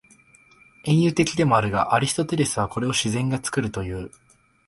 隠喩的でもあるが、アリストテレスはこれを「自然が作る」という。